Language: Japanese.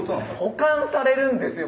保管されるんですよ